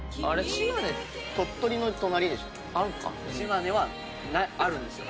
島根はあるんですよ。